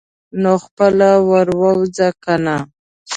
نو خپله ور ووځه کنه.